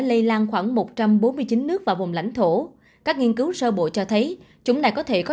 lây lan khoảng một trăm bốn mươi chín nước và vùng lãnh thổ các nghiên cứu sơ bộ cho thấy chủng này có thể có